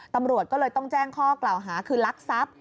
ตำรวจก็เลยต้องแจ้งข้อกล่าวหาคือลักทรัพย์